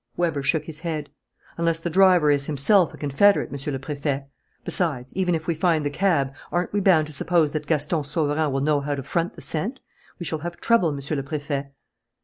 Weber shook his head. "Unless the driver is himself a confederate, Monsieur le Préfet. Besides, even if we find the cab, aren't we bound to suppose that Gaston Sauverand will know how to front the scent? We shall have trouble, Monsieur le Préfet."